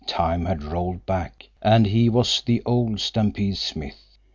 Time had rolled back, and he was the old Stampede Smith.